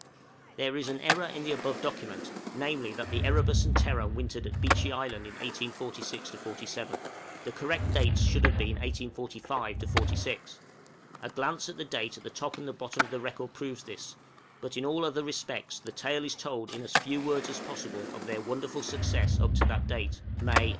} There is an error in the above document, namely, that the 'Erebus' and 'Terror' wintered at Beechey Island in 1846 7, the correct dates should have been 1845 6; a glance at the date at the top and bottom of the record proves this, but in all other respects the tale is told in as few words as possible of their wonderful success up to that date, May, 1847.